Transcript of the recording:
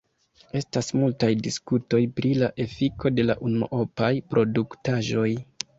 Estas multaj diskutoj pri la efiko de la unuopaj produktaĵoj.